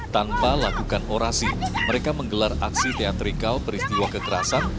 tanpa lakukan orasi mereka menggelar aksi teatrikal peristiwa kekerasan